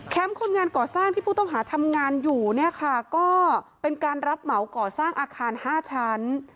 คนงานก่อสร้างที่ผู้ต้องหาทำงานอยู่เนี่ยค่ะก็เป็นการรับเหมาก่อสร้างอาคาร๕ชั้น